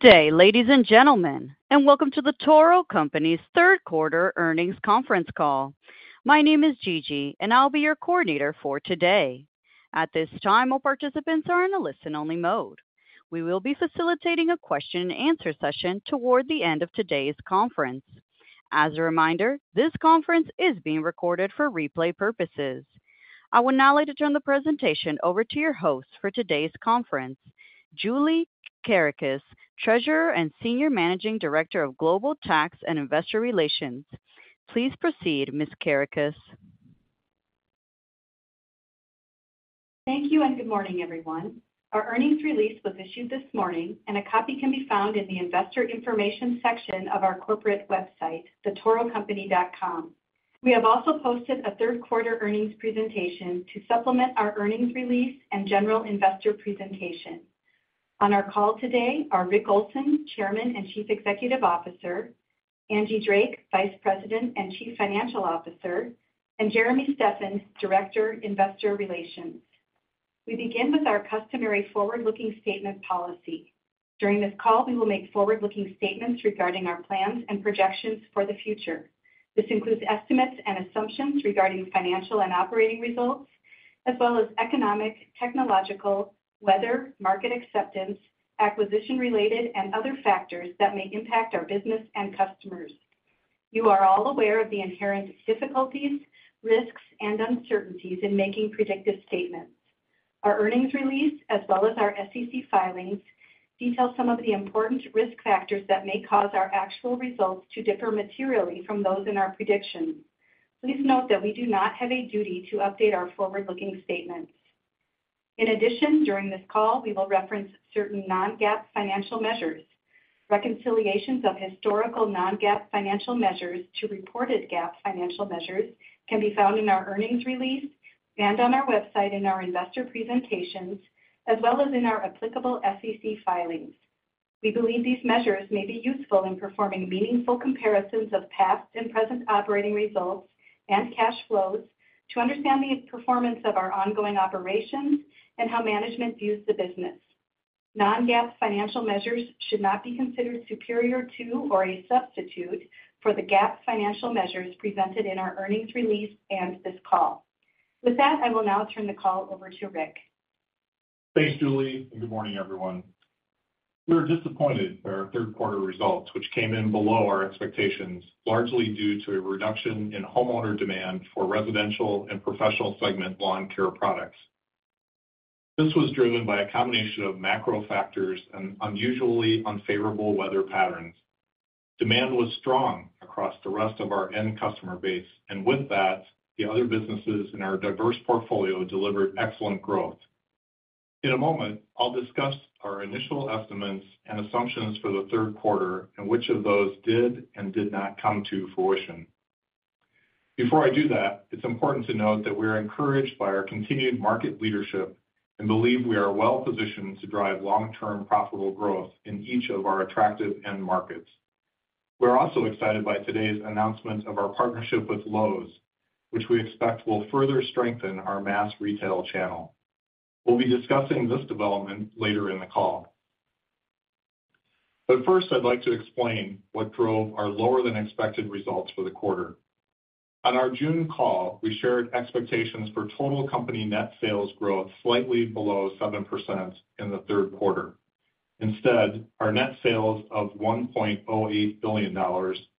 Good day, ladies and gentlemen, and welcome to The Toro Company's third quarter earnings conference call. My name is Gigi, and I'll be your coordinator for today. At this time, all participants are in a listen-only mode. We will be facilitating a question and answer session toward the end of today's conference. As a reminder, this conference is being recorded for replay purposes. I would now like to turn the presentation over to your host for today's conference, Julie Kerekes, Treasurer and Senior Managing Director of Global Tax and Investor Relations. Please proceed, Ms. Kerekes. Thank you, and good morning, everyone. Our earnings release was issued this morning, and a copy can be found in the investor information section of our corporate website, thetorocompany.com. We have also posted a third quarter earnings presentation to supplement our earnings release and general investor presentation. On our call today are Rick Olson, Chairman and Chief Executive Officer, Angie Drake, Vice President and Chief Financial Officer, and Jeremy Steffen, Director, Investor Relations. We begin with our customary forward-looking statement policy. During this call, we will make forward-looking statements regarding our plans and projections for the future. This includes estimates and assumptions regarding financial and operating results, as well as economic, technological, weather, market acceptance, acquisition-related, and other factors that may impact our business and customers. You are all aware of the inherent difficulties, risks, and uncertainties in making predictive statements. Our earnings release, as well as our SEC filings, detail some of the important risk factors that may cause our actual results to differ materially from those in our predictions. Please note that we do not have a duty to update our forward-looking statements. In addition, during this call, we will reference certain non-GAAP financial measures. Reconciliations of historical non-GAAP financial measures to reported GAAP financial measures can be found in our earnings release and on our website in our investor presentations, as well as in our applicable SEC filings. We believe these measures may be useful in performing meaningful comparisons of past and present operating results and cash flows to understand the performance of our ongoing operations and how management views the business. Non-GAAP financial measures should not be considered superior to or a substitute for the GAAP financial measures presented in our earnings release and this call. With that, I will now turn the call over to Rick. Thanks, Julie, and good morning, everyone. We are disappointed by our third quarter results, which came in below our expectations, largely due to a reduction in homeowner demand for residential and professional segment lawn care products. This was driven by a combination of macro factors and unusually unfavorable weather patterns. Demand was strong across the rest of our end customer base, and with that, the other businesses in our diverse portfolio delivered excellent growth. In a moment, I'll discuss our initial estimates and assumptions for the third quarter and which of those did and did not come to fruition. Before I do that, it's important to note that we are encouraged by our continued market leadership and believe we are well-positioned to drive long-term profitable growth in each of our attractive end markets. We're also excited by today's announcement of our partnership with Lowe's, which we expect will further strengthen our mass retail channel. We'll be discussing this development later in the call. But first, I'd like to explain what drove our lower-than-expected results for the quarter. On our June call, we shared expectations for total company net sales growth slightly below 7% in the third quarter. Instead, our net sales of $1.08 billion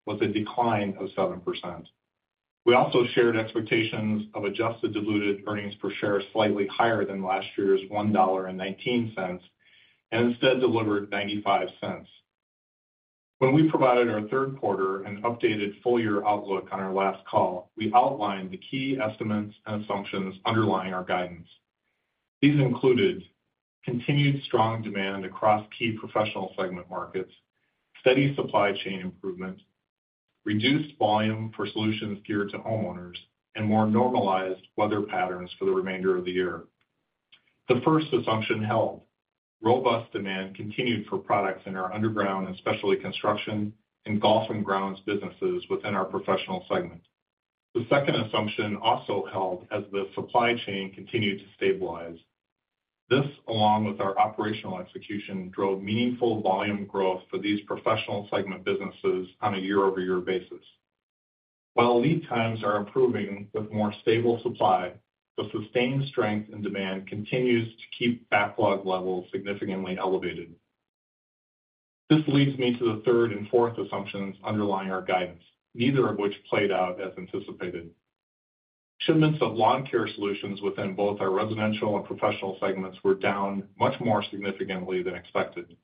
was a decline of 7%. We also shared expectations of adjusted diluted earnings per share slightly higher than last year's $1.19, and instead delivered $0.95. When we provided our third quarter and updated full-year outlook on our last call, we outlined the key estimates and assumptions underlying our guidance. These included continued strong demand across key professional segment markets, steady supply chain improvement, reduced volume for solutions geared to homeowners, and more normalized weather patterns for the remainder of the year. The first assumption held. Robust demand continued for products in our underground and specialty construction and golf and grounds businesses within our professional segment. The second assumption also held as the supply chain continued to stabilize. This, along with our operational execution, drove meaningful volume growth for these professional segment businesses on a year-over-year basis. While lead times are improving with more stable supply, the sustained strength and demand continues to keep backlog levels significantly elevated. This leads me to the third and fourth assumptions underlying our guidance, neither of which played out as anticipated. Shipments of lawn care solutions within both our residential and professional segments were down much more significantly than expected.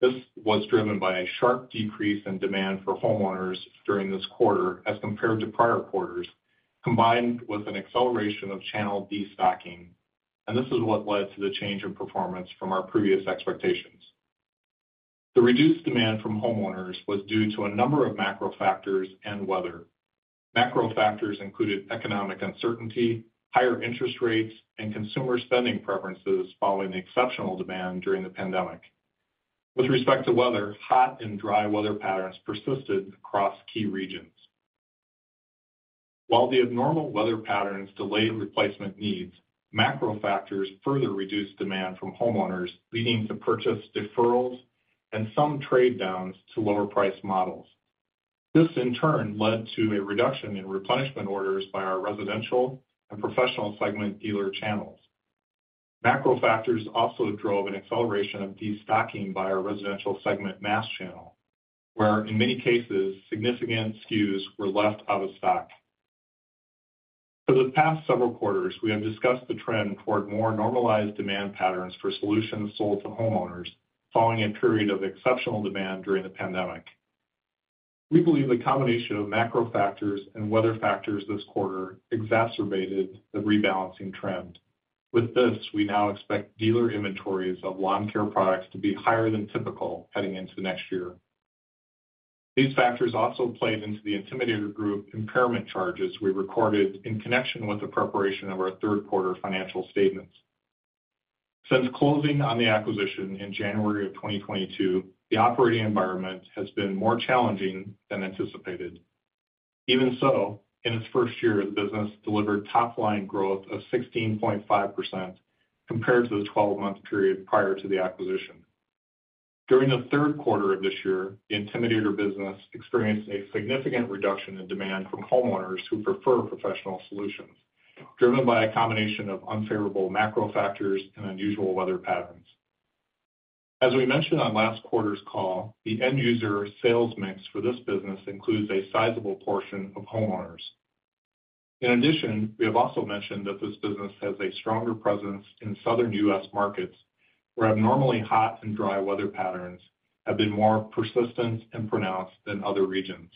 This was driven by a sharp decrease in demand for homeowners during this quarter as compared to prior quarters, combined with an acceleration of channel destocking, and this is what led to the change in performance from our previous expectations. The reduced demand from homeowners was due to a number of macro factors and weather. Macro factors included economic uncertainty, higher interest rates, and consumer spending preferences following the exceptional demand during the pandemic. With respect to weather, hot and dry weather patterns persisted across key regions. While the abnormal weather patterns delayed replacement needs, macro factors further reduced demand from homeowners, leading to purchase deferrals and some trade downs to lower price models. This in turn led to a reduction in replenishment orders by our residential and professional segment dealer channels. Macro factors also drove an acceleration of destocking by our residential segment mass channel, where in many cases, significant SKUs were left out of stock. For the past several quarters, we have discussed the trend toward more normalized demand patterns for solutions sold to homeowners, following a period of exceptional demand during the pandemic. We believe the combination of macro factors and weather factors this quarter exacerbated the rebalancing trend. With this, we now expect dealer inventories of lawn care products to be higher than typical heading into next year. These factors also played into the Intimidator Group impairment charges we recorded in connection with the preparation of our third quarter financial statements. Since closing on the acquisition in January of 2022, the operating environment has been more challenging than anticipated. Even so, in its first year, the business delivered top-line growth of 16.5% compared to the 12-month period prior to the acquisition. During the third quarter of this year, the Intimidator business experienced a significant reduction in demand from homeowners who prefer professional solutions, driven by a combination of unfavorable macro factors and unusual weather patterns. As we mentioned on last quarter's call, the end user sales mix for this business includes a sizable portion of homeowners. In addition, we have also mentioned that this business has a stronger presence in Southern U.S. markets, where abnormally hot and dry weather patterns have been more persistent and pronounced than other regions.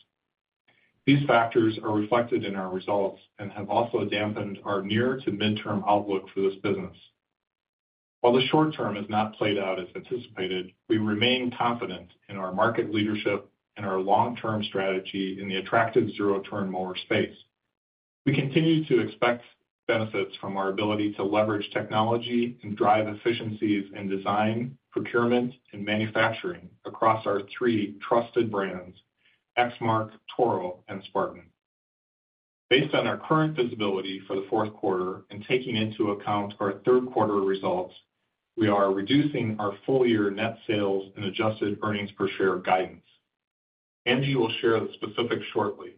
These factors are reflected in our results and have also dampened our near to midterm outlook for this business. While the short term has not played out as anticipated, we remain confident in our market leadership and our long-term strategy in the attractive zero-turn mower space. We continue to expect benefits from our ability to leverage technology and drive efficiencies in design, procurement, and manufacturing across our three trusted brands, Exmark, Toro, and Spartan. Based on our current visibility for the fourth quarter and taking into account our third quarter results, we are reducing our full-year net sales and adjusted earnings per share guidance. Angie will share the specifics shortly.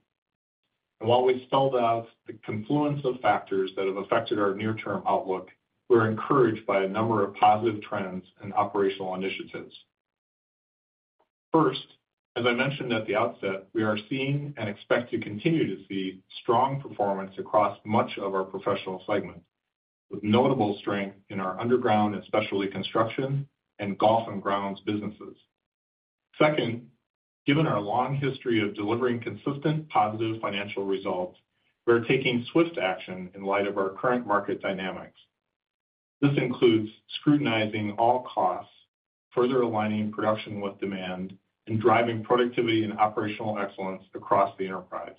And while we spelled out the confluence of factors that have affected our near-term outlook, we're encouraged by a number of positive trends and operational initiatives. First, as I mentioned at the outset, we are seeing and expect to continue to see strong performance across much of our professional segment, with notable strength in our underground and specialty construction and golf and grounds businesses. Second, given our long history of delivering consistent, positive financial results, we are taking swift action in light of our current market dynamics. This includes scrutinizing all costs, further aligning production with demand, and driving productivity and operational excellence across the enterprise.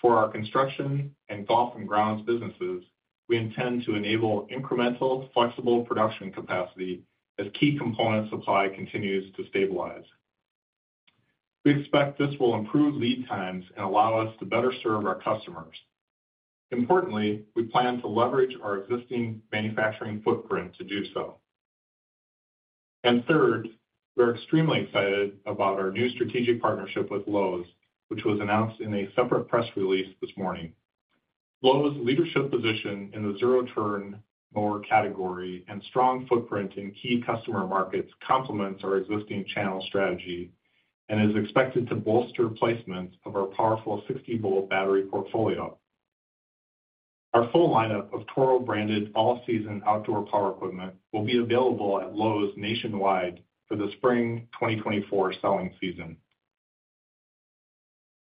For our construction and golf and grounds businesses, we intend to enable incremental, flexible production capacity as key component supply continues to stabilize. We expect this will improve lead times and allow us to better serve our customers. Importantly, we plan to leverage our existing manufacturing footprint to do so. And third, we're extremely excited about our new strategic partnership with Lowe's, which was announced in a separate press release this morning. Lowe's leadership position in the zero-turn mower category and strong footprint in key customer markets complements our existing channel strategy and is expected to bolster placements of our powerful 60-volt battery portfolio. Our full lineup of Toro-branded all-season outdoor power equipment will be available at Lowe's nationwide for the spring 2024 selling season.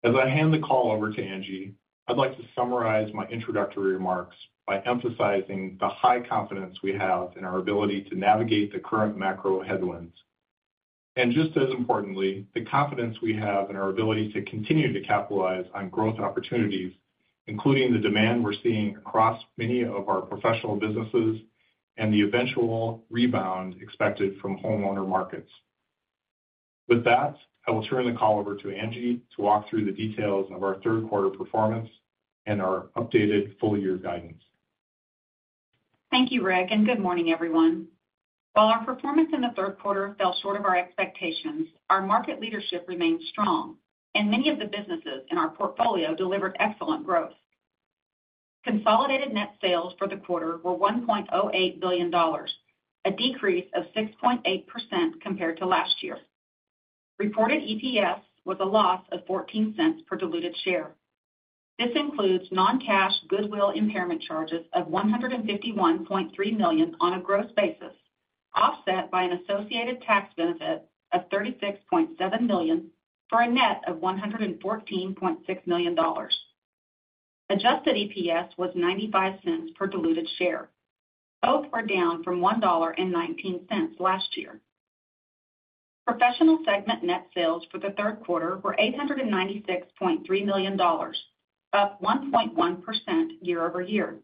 As I hand the call over to Angie, I'd like to summarize my introductory remarks by emphasizing the high confidence we have in our ability to navigate the current macro headwinds. And just as importantly, the confidence we have in our ability to continue to capitalize on growth opportunities, including the demand we're seeing across many of our professional businesses and the eventual rebound expected from homeowner markets. With that, I will turn the call over to Angie to walk through the details of our third quarter performance and our updated full year guidance. Thank you, Rick, and good morning, everyone. While our performance in the third quarter fell short of our expectations, our market leadership remains strong, and many of the businesses in our portfolio delivered excellent growth. Consolidated net sales for the quarter were $1.08 billion, a decrease of 6.8% compared to last year. Reported EPS was a loss of $0.14 per diluted share. This includes non-cash goodwill impairment charges of $151.3 million on a gross basis, offset by an associated tax benefit of $36.7 million, for a net of $114.6 million. Adjusted EPS was $0.95 per diluted share. Both are down from $1.19 last year. Professional segment net sales for the third quarter were $896.3 million, up 1.1% year-over-year.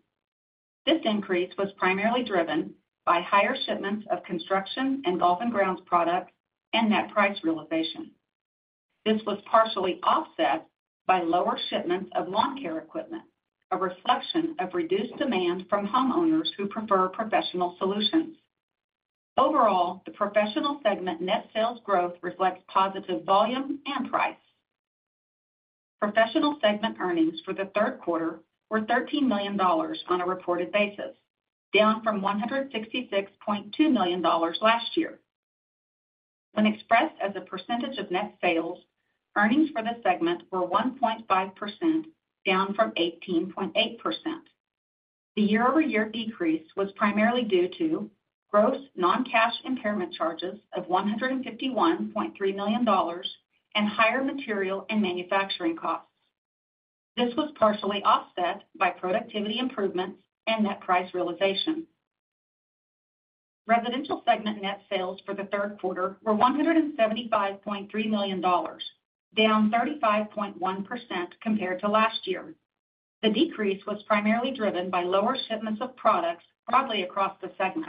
This increase was primarily driven by higher shipments of construction and golf and grounds products and net price realization. This was partially offset by lower shipments of lawn care equipment, a reflection of reduced demand from homeowners who prefer professional solutions. Overall, the Professional segment net sales growth reflects positive volume and price. Professional segment earnings for the third quarter were $13 million on a reported basis, down from $166.2 million last year. When expressed as a percentage of net sales, earnings for the segment were 1.5%, down from 18.8%. The year-over-year decrease was primarily due to gross non-cash impairment charges of $151.3 million and higher material and manufacturing costs. This was partially offset by productivity improvements and net price realization. Residential segment net sales for the third quarter were $175.3 million, down 35.1% compared to last year. The decrease was primarily driven by lower shipments of products broadly across the segment.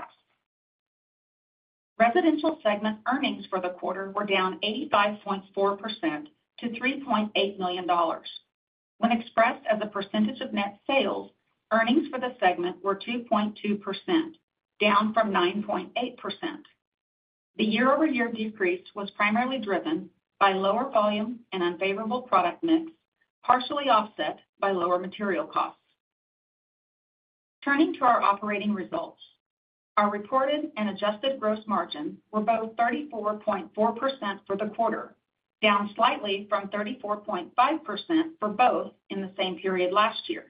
Residential segment earnings for the quarter were down 85.4% to $3.8 million. When expressed as a percentage of net sales, earnings for the segment were 2.2%, down from 9.8%. The year-over-year decrease was primarily driven by lower volume and unfavorable product mix, partially offset by lower material costs. Turning to our operating results. Our reported and adjusted gross margins were both 34.4% for the quarter, down slightly from 34.5% for both in the same period last year.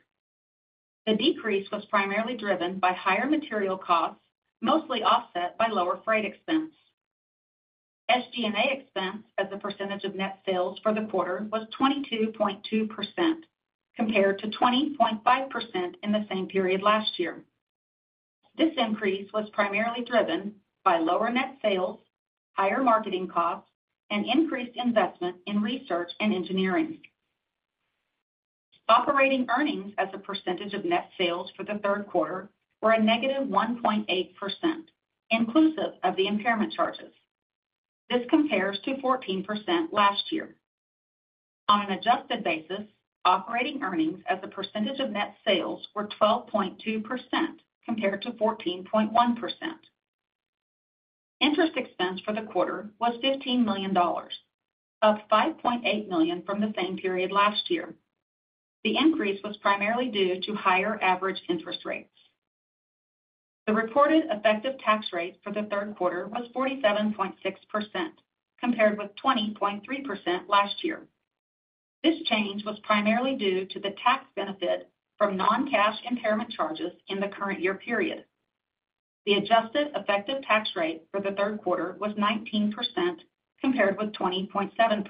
The decrease was primarily driven by higher material costs, mostly offset by lower freight expense. SG&A expense as a percentage of net sales for the quarter was 22.2%, compared to 20.5% in the same period last year. This increase was primarily driven by lower net sales, higher marketing costs, and increased investment in research and engineering. Operating earnings as a percentage of net sales for the third quarter were a negative 1.8%, inclusive of the impairment charges. This compares to 14% last year. On an adjusted basis, operating earnings as a percentage of net sales were 12.2% compared to 14.1%. Interest expense for the quarter was $15 million, up $5.8 million from the same period last year. The increase was primarily due to higher average interest rates. The reported effective tax rate for the third quarter was 47.6%, compared with 20.3% last year. This change was primarily due to the tax benefit from non-cash impairment charges in the current year period. The adjusted effective tax rate for the third quarter was 19%, compared with 20.7%.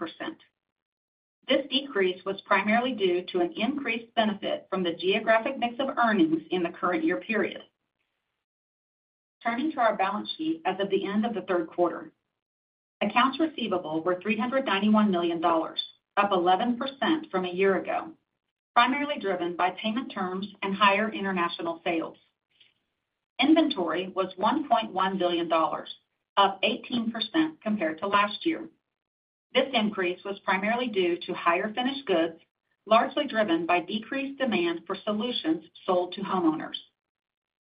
This decrease was primarily due to an increased benefit from the geographic mix of earnings in the current year period. Turning to our balance sheet as of the end of the third quarter. Accounts receivable were $391 million, up 11% from a year ago, primarily driven by payment terms and higher international sales. Inventory was $1.1 billion, up 18% compared to last year. This increase was primarily due to higher finished goods, largely driven by decreased demand for solutions sold to homeowners.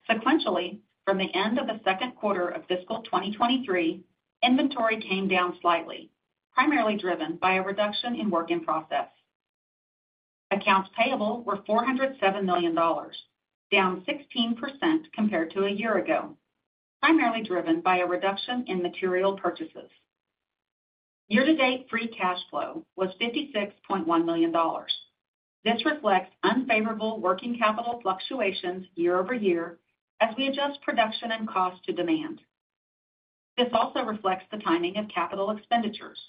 Sequentially, from the end of the second quarter of fiscal 2023, inventory came down slightly, primarily driven by a reduction in work in process. Accounts payable were $407 million, down 16% compared to a year ago, primarily driven by a reduction in material purchases. Year-to-date free cash flow was $56.1 million. This reflects unfavorable working capital fluctuations year-over-year as we adjust production and cost to demand. This also reflects the timing of capital expenditures,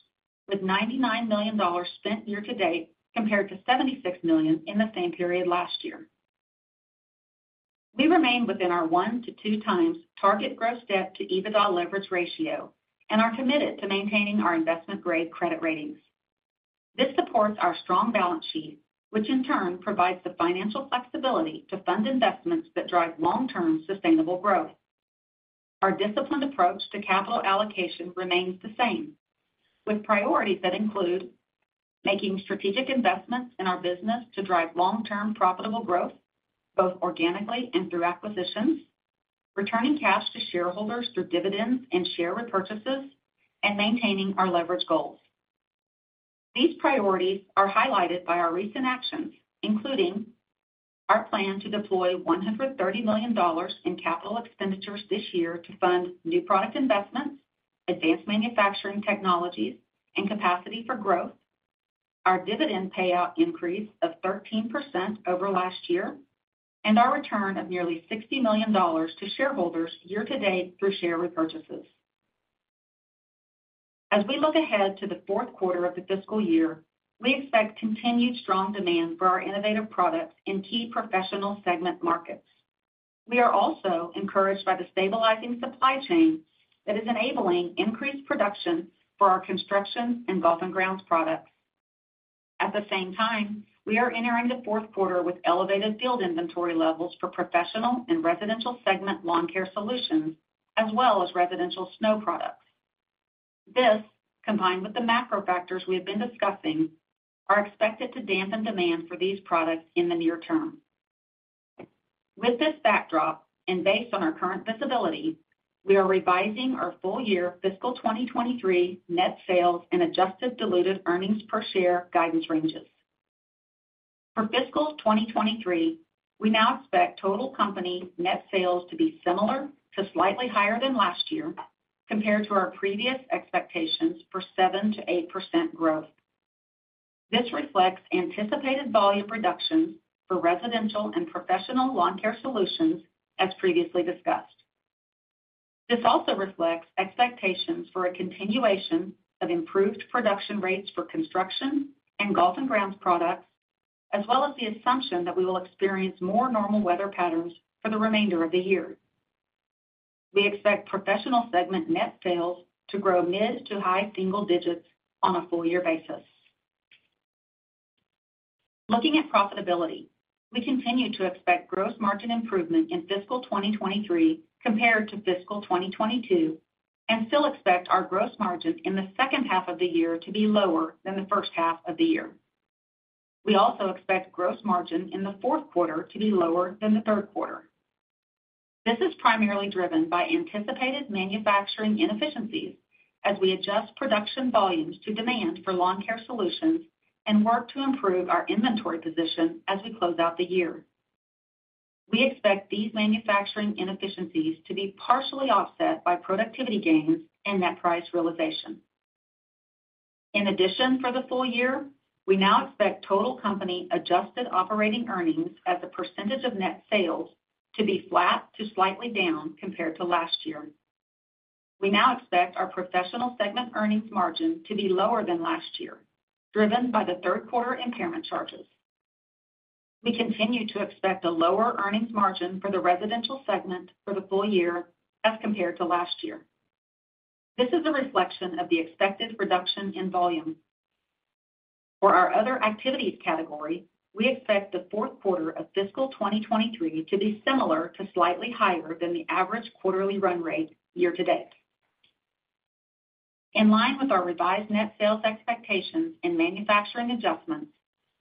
with $99 million spent year-to-date, compared to $76 million in the same period last year. We remain within our 1x-2x target gross debt to EBITDA leverage ratio and are committed to maintaining our investment-grade credit ratings. This supports our strong balance sheet, which in turn provides the financial flexibility to fund investments that drive long-term sustainable growth. Our disciplined approach to capital allocation remains the same, with priorities that include making strategic investments in our business to drive long-term profitable growth, both organically and through acquisitions, returning cash to shareholders through dividends and share repurchases, and maintaining our leverage goals. These priorities are highlighted by our recent actions, including our plan to deploy $130 million in capital expenditures this year to fund new product investments, advanced manufacturing technologies, and capacity for growth, our dividend payout increase of 13% over last year, and our return of nearly $60 million to shareholders year to date through share repurchases. As we look ahead to the fourth quarter of the fiscal year, we expect continued strong demand for our innovative products in key professional segment markets. We are also encouraged by the stabilizing supply chain that is enabling increased production for our construction and golf and grounds products. At the same time, we are entering the fourth quarter with elevated field inventory levels for professional and residential segment lawn care solutions, as well as residential snow products. This, combined with the macro factors we have been discussing, are expected to dampen demand for these products in the near term. With this backdrop, and based on our current visibility, we are revising our full year fiscal 2023 net sales and adjusted diluted earnings per share guidance ranges. For fiscal 2023, we now expect total company net sales to be similar to slightly higher than last year, compared to our previous expectations for 7%-8% growth. This reflects anticipated volume reductions for residential and professional lawn care solutions, as previously discussed. This also reflects expectations for a continuation of improved production rates for construction and golf and grounds products, as well as the assumption that we will experience more normal weather patterns for the remainder of the year. We expect professional segment net sales to grow mid- to high-single-digits on a full year basis. Looking at profitability, we continue to expect gross margin improvement in fiscal 2023 compared to fiscal 2022, and still expect our gross margins in the second half of the year to be lower than the first half of the year. We also expect gross margin in the fourth quarter to be lower than the third quarter. This is primarily driven by anticipated manufacturing inefficiencies as we adjust production volumes to demand for lawn care solutions and work to improve our inventory position as we close out the year. We expect these manufacturing inefficiencies to be partially offset by productivity gains and net price realization. In addition, for the full year, we now expect total company adjusted operating earnings as a percentage of net sales to be flat to slightly down compared to last year. We now expect our professional segment earnings margin to be lower than last year, driven by the third quarter impairment charges. We continue to expect a lower earnings margin for the residential segment for the full year as compared to last year. This is a reflection of the expected reduction in volume. For our other activities category, we expect the fourth quarter of fiscal 2023 to be similar to, slightly higher than the average quarterly run rate year to date. In line with our revised net sales expectations and manufacturing adjustments,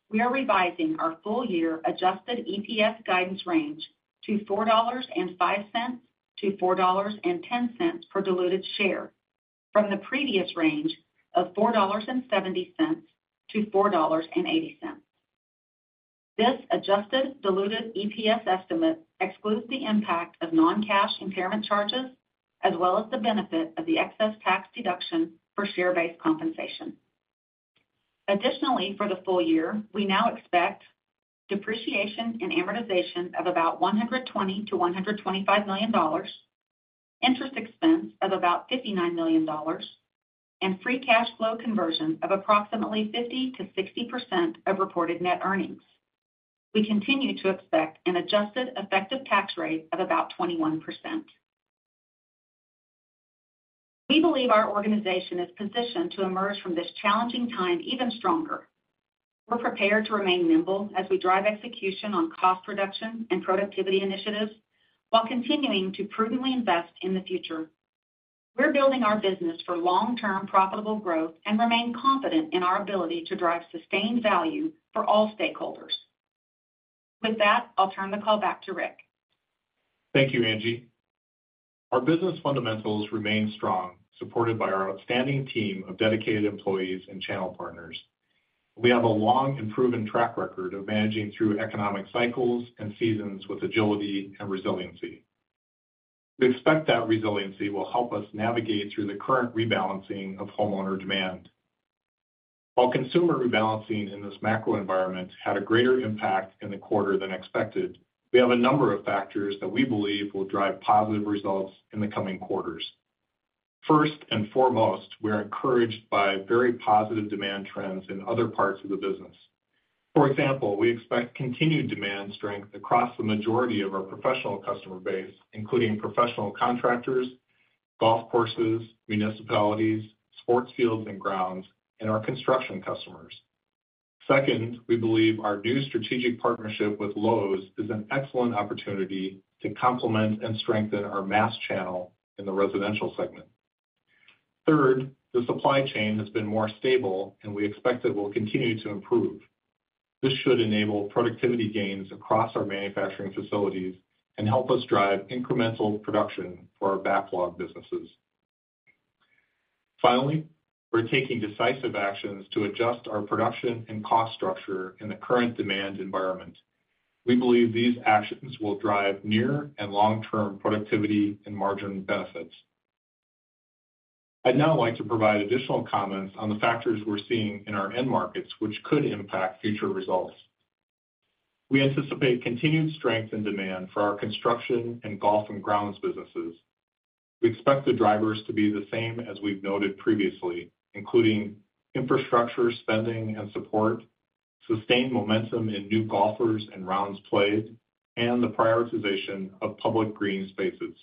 we are revising our full year Adjusted EPS guidance range to $4.05-$4.10 per diluted share from the previous range of $4.70-$4.80. This adjusted diluted EPS estimate excludes the impact of non-cash impairment charges, as well as the benefit of the excess tax deduction for share-based compensation. Additionally, for the full year, we now expect depreciation and amortization of about $120 million-$125 million, interest expense of about $59 million, and free cash flow conversion of approximately 50%-60% of reported net earnings. We continue to expect an adjusted effective tax rate of about 21%. We believe our organization is positioned to emerge from this challenging time even stronger. We're prepared to remain nimble as we drive execution on cost reduction and productivity initiatives while continuing to prudently invest in the future. We're building our business for long-term profitable growth and remain confident in our ability to drive sustained value for all stakeholders. With that, I'll turn the call back to Rick. Thank you, Angie. Our business fundamentals remain strong, supported by our outstanding team of dedicated employees and channel partners. We have a long and proven track record of managing through economic cycles and seasons with agility and resiliency. We expect that resiliency will help us navigate through the current rebalancing of homeowner demand. While consumer rebalancing in this macro environment had a greater impact in the quarter than expected, we have a number of factors that we believe will drive positive results in the coming quarters. First and foremost, we are encouraged by very positive demand trends in other parts of the business. For example, we expect continued demand strength across the majority of our professional customer base, including professional contractors, golf courses, municipalities, sports fields and grounds, and our construction customers. Second, we believe our new strategic partnership with Lowe's is an excellent opportunity to complement and strengthen our mass channel in the residential segment. Third, the supply chain has been more stable, and we expect it will continue to improve. This should enable productivity gains across our manufacturing facilities and help us drive incremental production for our backlog businesses. Finally, we're taking decisive actions to adjust our production and cost structure in the current demand environment. We believe these actions will drive near and long-term productivity and margin benefits. I'd now like to provide additional comments on the factors we're seeing in our end markets, which could impact future results. We anticipate continued strength and demand for our construction and golf and grounds businesses. We expect the drivers to be the same as we've noted previously, including infrastructure spending and support, sustained momentum in new golfers and rounds played, and the prioritization of public green spaces...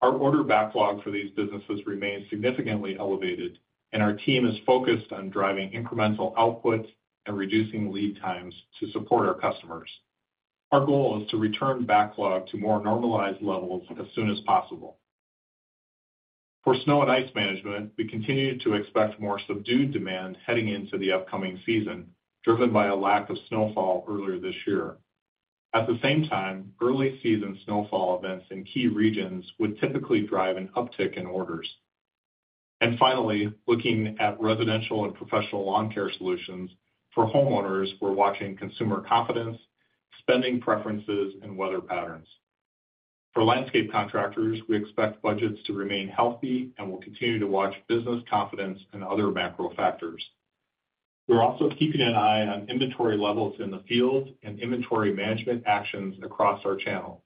Our order backlog for these businesses remains significantly elevated, and our team is focused on driving incremental output and reducing lead times to support our customers. Our goal is to return backlog to more normalized levels as soon as possible. For snow and ice management, we continue to expect more subdued demand heading into the upcoming season, driven by a lack of snowfall earlier this year. At the same time, early season snowfall events in key regions would typically drive an uptick in orders. And finally, looking at residential and professional lawn care solutions, for homeowners, we're watching consumer confidence, spending preferences, and weather patterns. For landscape contractors, we expect budgets to remain healthy and will continue to watch business confidence and other macro factors. We're also keeping an eye on inventory levels in the field and inventory management actions across our channel.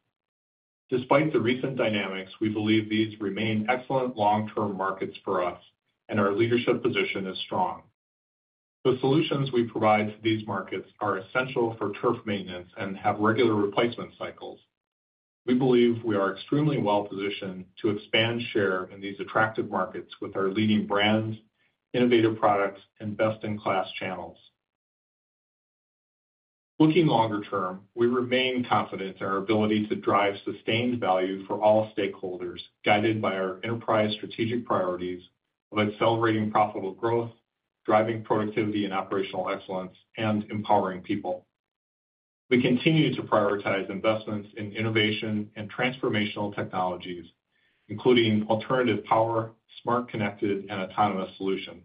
Despite the recent dynamics, we believe these remain excellent long-term markets for us, and our leadership position is strong. The solutions we provide to these markets are essential for turf maintenance and have regular replacement cycles. We believe we are extremely well-positioned to expand share in these attractive markets with our leading brands, innovative products, and best-in-class channels. Looking longer term, we remain confident in our ability to drive sustained value for all stakeholders, guided by our enterprise strategic priorities of accelerating profitable growth, driving productivity and operational excellence, and empowering people. We continue to prioritize investments in innovation and transformational technologies, including alternative power, smart, connected, and autonomous solutions.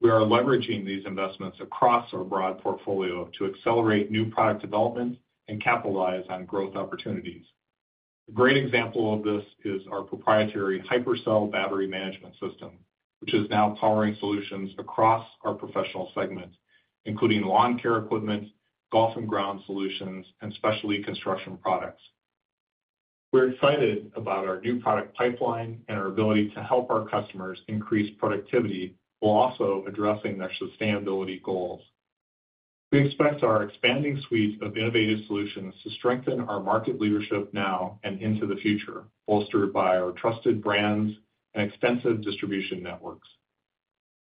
We are leveraging these investments across our broad portfolio to accelerate new product development and capitalize on growth opportunities. A great example of this is our proprietary HyperCell battery management system, which is now powering solutions across our professional segments, including lawn care equipment, golf and ground solutions, and specialty construction products. We're excited about our new product pipeline and our ability to help our customers increase productivity while also addressing their sustainability goals. We expect our expanding suite of innovative solutions to strengthen our market leadership now and into the future, bolstered by our trusted brands and extensive distribution networks.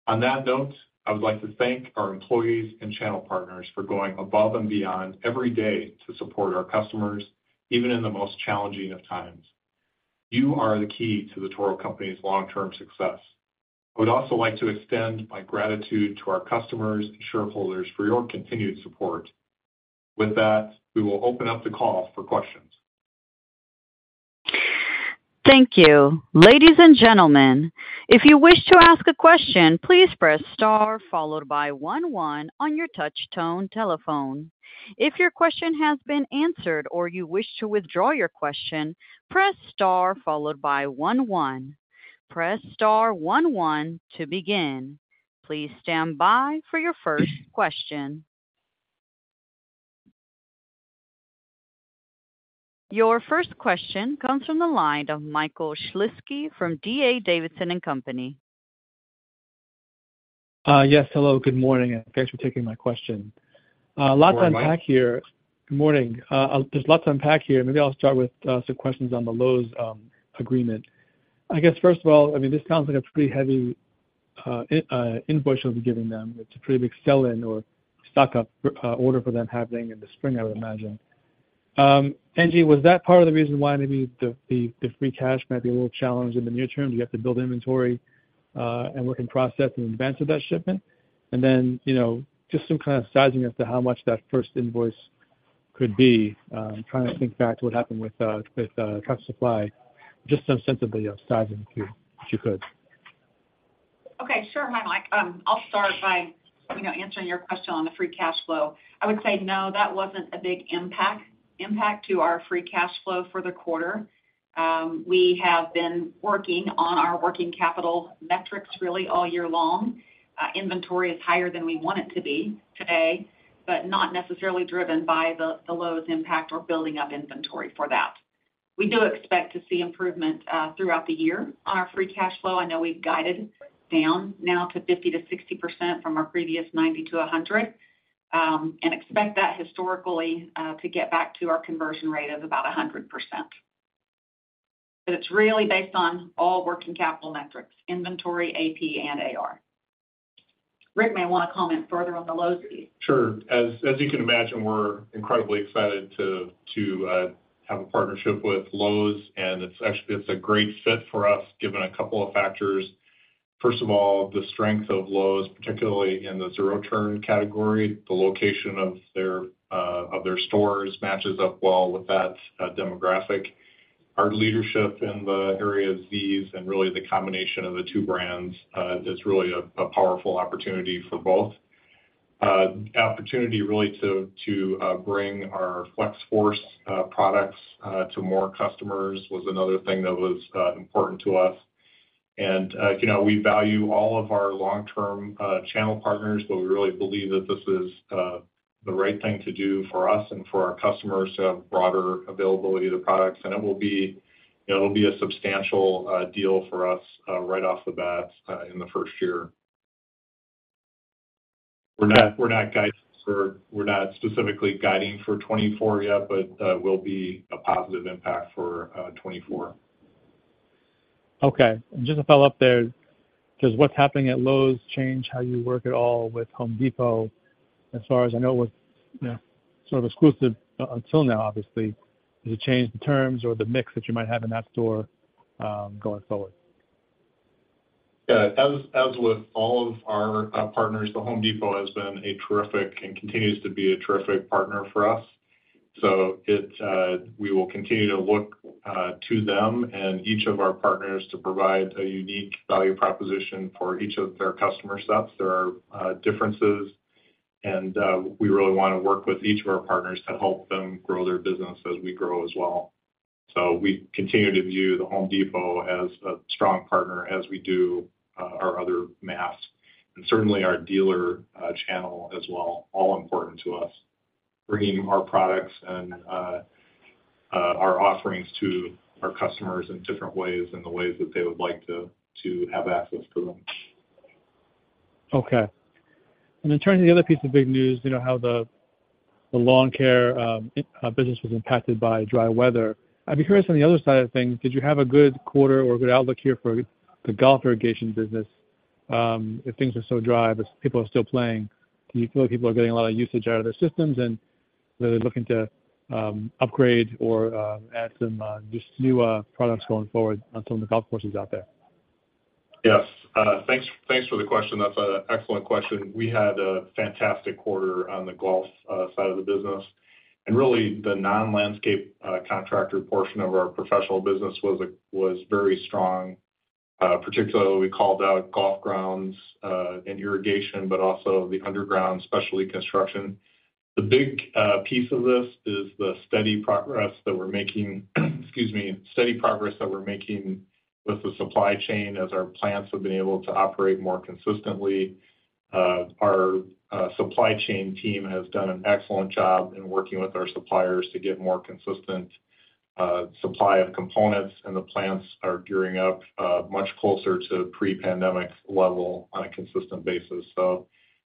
On that note, I would like to thank our employees and channel partners for going above and beyond every day to support our customers, even in the most challenging of times. You are the key to The Toro Company's long-term success. I would also like to extend my gratitude to our customers and shareholders for your continued support. With that, we will open up the call for questions. Thank you. Ladies and gentlemen, if you wish to ask a question, please press star followed by one, one on your touch tone telephone. If your question has been answered or you wish to withdraw your question, press star followed by one, one. Press star one, one to begin. Please stand by for your first question. Your first question comes from the line of Michael Shlisky from D.A. Davidson and Company. Yes, hello, good morning, and thanks for taking my question. Good morning, Mike. Lots to unpack here. Good morning. There's lots to unpack here. Maybe I'll start with some questions on the Lowe's agreement. I guess, first of all, I mean, this sounds like a pretty heavy invoice you'll be giving them. It's a pretty big sell-in or stock up order for them happening in the spring, I would imagine. Angie, was that part of the reason why maybe the free cash might be a little challenged in the near term? Do you have to build inventory and work in process in advance of that shipment? And then, you know, just some kind of sizing as to how much that first invoice could be. Trying to think back to what happened with Truck Supply, just some sense of the sizing, if you could. Okay, sure, Mike. I'll start by, you know, answering your question on the free cash flow. I would say, no, that wasn't a big impact, impact to our free cash flow for the quarter. We have been working on our working capital metrics really all year long. Inventory is higher than we want it to be today, but not necessarily driven by the, the Lowe's impact or building up inventory for that. We do expect to see improvement throughout the year on our free cash flow. I know we've guided down now to 50%-60% from our previous 90%-100%, and expect that historically to get back to our conversion rate of about 100%. But it's really based on all working capital metrics, inventory, AP, and AR. Rick may want to comment further on the Lowe's deal. Sure. As you can imagine, we're incredibly excited to have a partnership with Lowe's, and it's actually a great fit for us, given a couple of factors. First of all, the strength of Lowe's, particularly in the zero turn category, the location of their stores matches up well with that demographic. Our leadership in the area of Zs and really the combination of the two brands is really a powerful opportunity for both. Opportunity really to bring our Flex-Force products to more customers was another thing that was important to us. And you know, we value all of our long-term channel partners, but we really believe that this is the right thing to do for us and for our customers to have broader availability of the products. It will be, you know, it'll be a substantial deal for us right off the bat in the first year. We're not specifically guiding for 2024 yet, but will be a positive impact for 2024. Okay. And just to follow up there, does what's happening at Lowe's change how you work at all with Home Depot? As far as I know, it was, you know, sort of exclusive until now, obviously. Does it change the terms or the mix that you might have in that store going forward? Yeah. As with all of our partners, The Home Depot has been a terrific and continues to be a terrific partner for us. So we will continue to look to them and each of our partners to provide a unique value proposition for each of their customer sets. There are differences, and we really wanna work with each of our partners to help them grow their business as we grow as well. So we continue to view The Home Depot as a strong partner as we do our other mass, and certainly our dealer channel as well, all important to us, bringing our products and our offerings to our customers in different ways and the ways that they would like to have access to them. Okay. And then turning to the other piece of big news, you know, how the lawn care business was impacted by dry weather. I'd be curious, on the other side of things, did you have a good quarter or a good outlook here for the golf irrigation business? If things are so dry, but people are still playing, do you feel like people are getting a lot of usage out of their systems and they're looking to upgrade or add some just new products going forward on some of the golf courses out there? Yes. Thanks, thanks for the question. That's an excellent question. We had a fantastic quarter on the golf side of the business, and really, the non-landscape contractor portion of our professional business was very strong. Particularly, we called out golf grounds and irrigation, but also the underground, especially construction. The big piece of this is the steady progress that we're making, excuse me, steady progress that we're making with the supply chain as our plants have been able to operate more consistently. Our supply chain team has done an excellent job in working with our suppliers to get more consistent supply of components, and the plants are gearing up much closer to pre-pandemic level on a consistent basis. So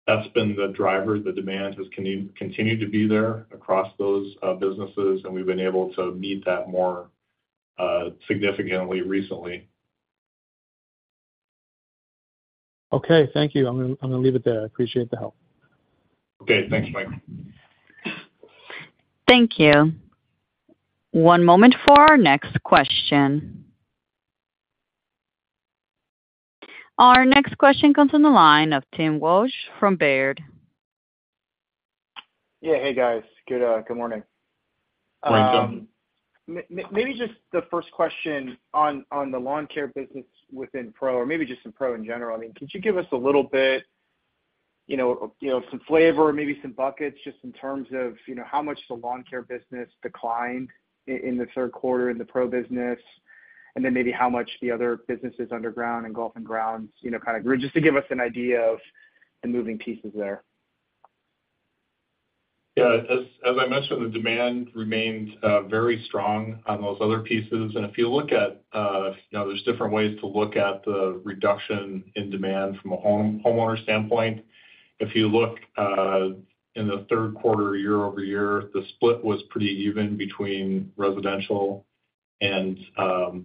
that's been the driver. The demand has continued to be there across those, businesses, and we've been able to meet that more, significantly recently. Okay, thank you. I'm gonna, I'm gonna leave it there. I appreciate the help. Okay. Thanks, Mike. Thank you. One moment for our next question. Our next question comes on the line of Tim Wojs from Baird. Yeah. Hey, guys. Good, good morning. Welcome. Maybe just the first question on the lawn care business within pro, or maybe just in pro in general. I mean, could you give us a little bit, you know, you know, some flavor, maybe some buckets, just in terms of, you know, how much the lawn care business declined in the third quarter in the pro business, and then maybe how much the other businesses, underground and golf and grounds, you know, kind of just to give us an idea of the moving pieces there? Yeah. As I mentioned, the demand remained very strong on those other pieces. If you look at, you know, there's different ways to look at the reduction in demand from a homeowner standpoint. If you look in the third quarter, year-over-year, the split was pretty even between residential and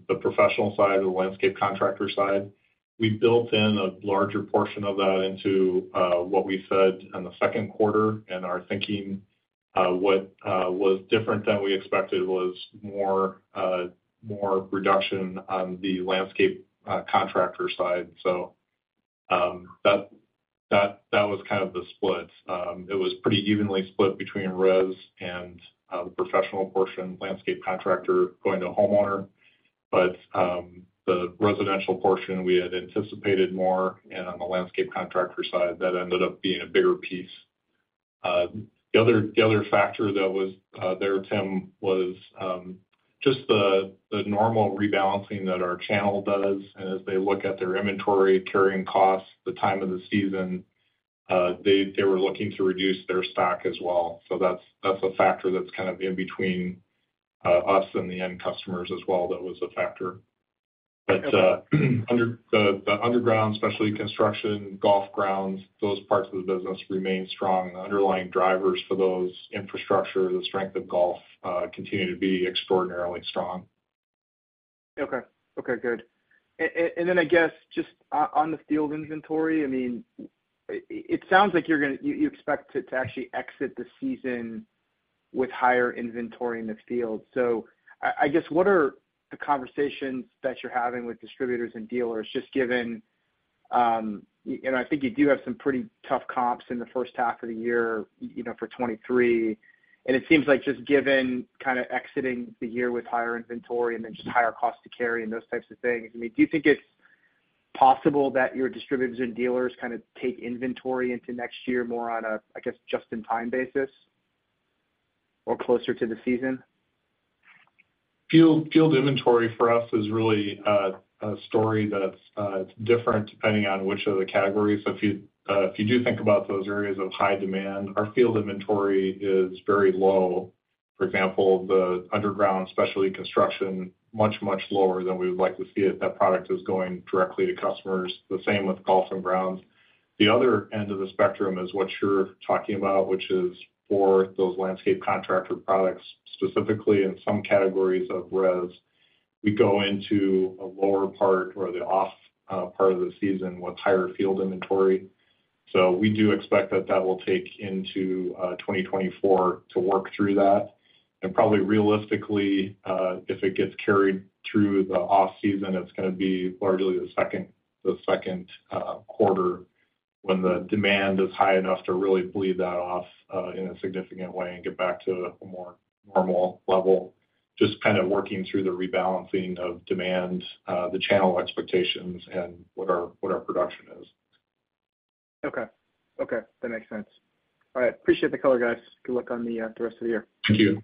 the professional side or the landscape contractor side. We built in a larger portion of that into what we said in the second quarter, and are thinking what was different than we expected was more, more reduction on the landscape contractor side. That was kind of the split. It was pretty evenly split between res and the professional portion, landscape contractor, going to homeowner. But the residential portion, we had anticipated more, and on the landscape contractor side, that ended up being a bigger piece. The other factor that was there, Tim, was just the normal rebalancing that our channel does as they look at their inventory, carrying costs, the time of the season, they were looking to reduce their stock as well. So that's a factor that's kind of in between us and the end customers as well. That was a factor. But under the underground, especially construction, golf grounds, those parts of the business remain strong. The underlying drivers for those infrastructures, the strength of golf, continue to be extraordinarily strong. Okay. Okay, good. And then I guess just on the field inventory, I mean, it sounds like you're gonna—you, you expect to actually exit the season with higher inventory in the field. So I guess, what are the conversations that you're having with distributors and dealers, just given, you know, I think you do have some pretty tough comps in the first half of the year, you know, for 2023. And it seems like just given kind of exiting the year with higher inventory and then just higher cost to carry and those types of things, I mean, do you think it's possible that your distributors and dealers kind of take inventory into next year more on a, I guess, just-in-time basis or closer to the season? Field inventory for us is really a story that's different depending on which of the categories. So if you do think about those areas of high demand, our field inventory is very low.... For example, the underground, especially construction, much, much lower than we would like to see it. That product is going directly to customers, the same with golf and grounds. The other end of the spectrum is what you're talking about, which is for those landscape contractor products, specifically in some categories of res. We go into a lower part or the off part of the season with higher field inventory. So we do expect that that will take into 2024 to work through that. And probably realistically, if it gets carried through the off-season, it's gonna be largely the second, the second, quarter when the demand is high enough to really bleed that off, in a significant way and get back to a more normal level. Just kind of working through the rebalancing of demand, the channel expectations and what our production is. Okay. Okay, that makes sense. All right. Appreciate the color, guys. Good luck on the rest of the year. Thank you.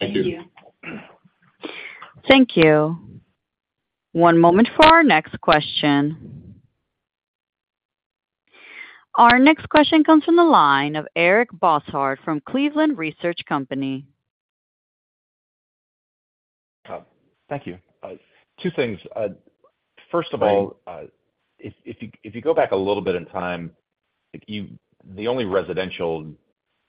Thank you. Thank you. One moment for our next question. Our next question comes from the line of Eric Bosshard from Cleveland Research Company. Thank you. Two things. First of all, if you go back a little bit in time, the only residential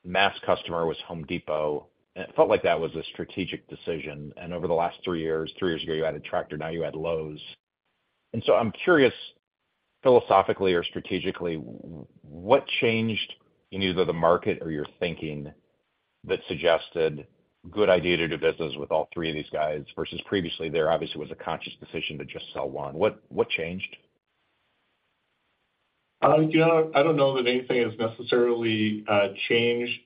mass customer was Home Depot, and it felt like that was a strategic decision. Over the last three years, three years ago, you added Tractor Supply, now you add Lowe's. So I'm curious, philosophically or strategically, what changed in either the market or your thinking that suggested good idea to do business with all three of these guys versus previously, there obviously was a conscious decision to just sell one. What changed? You know, I don't know that anything has necessarily changed.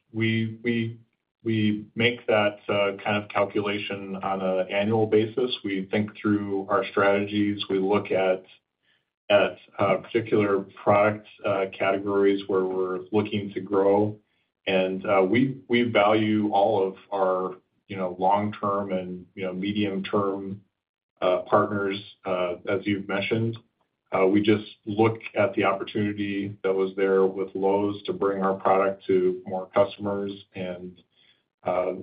We make that kind of calculation on an annual basis. We think through our strategies. We look at particular product categories where we're looking to grow, and we value all of our, you know, long-term and, you know, medium-term partners, as you've mentioned. We just look at the opportunity that was there with Lowe's to bring our product to more customers and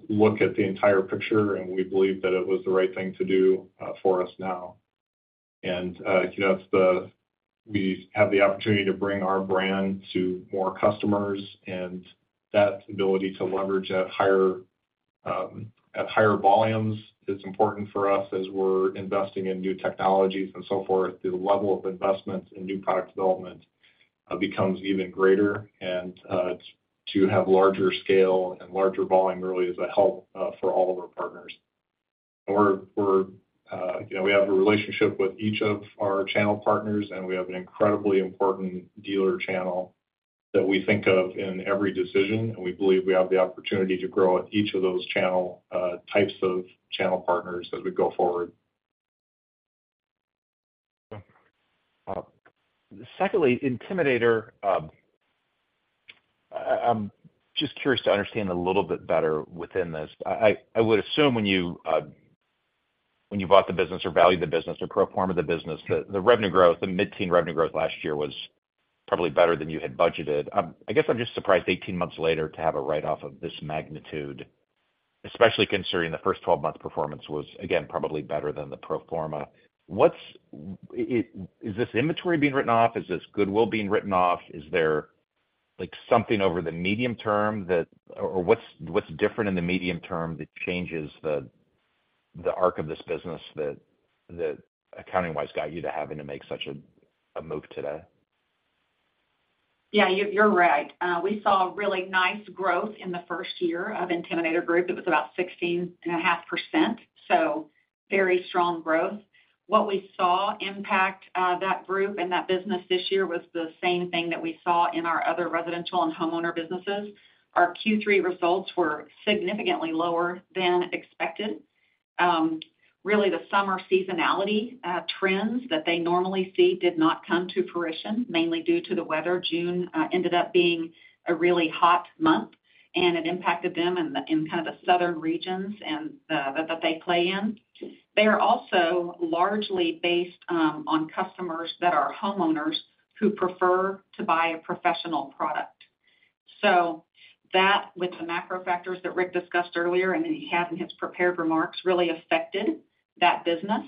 look at the entire picture, and we believe that it was the right thing to do for us now. You know, we have the opportunity to bring our brand to more customers, and that ability to leverage at higher, at higher volumes is important for us as we're investing in new technologies and so forth. The level of investment in new product development becomes even greater, and to have larger scale and larger volume really is a help for all of our partners. We're, you know, we have a relationship with each of our channel partners, and we have an incredibly important dealer channel that we think of in every decision, and we believe we have the opportunity to grow at each of those channel types of channel partners as we go forward. Secondly, Intimidator, I'm just curious to understand a little bit better within this. I would assume when you, when you bought the business or valued the business or pro forma the business, the revenue growth, the mid-teen revenue growth last year was probably better than you had budgeted. I guess I'm just surprised 18 months later to have a write-off of this magnitude, especially considering the first 12-month performance was, again, probably better than the pro forma. What is this inventory being written off? Is this goodwill being written off? Is there, like, something over the medium term that or what's different in the medium term that changes the arc of this business, that accounting-wise, got you to having to make such a move today? Yeah, you're right. We saw really nice growth in the first year of Intimidator Group. It was about 16.5%, so very strong growth. What we saw impact that group and that business this year was the same thing that we saw in our other residential and homeowner businesses. Our Q3 results were significantly lower than expected. Really, the summer seasonality trends that they normally see did not come to fruition, mainly due to the weather. June ended up being a really hot month, and it impacted them in the, in kind of the southern regions and that they play in. They are also largely based on customers that are homeowners who prefer to buy a professional product. So that, with the macro factors that Rick discussed earlier and that he had in his prepared remarks, really affected that business.